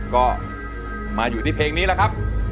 ก็มาอยู่ที่เพลงนี้แล้วครับ